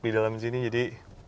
di dalam sini jadi